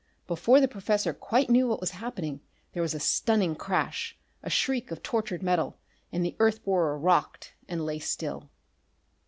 Before the professor quite knew what was happening, there was a stunning crash, a shriek of tortured metal and the earth borer rocked and lay still....